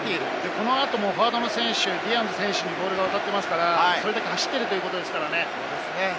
この後もディアンズ選手にボールが渡ってますから、それだけ走っているということですからね。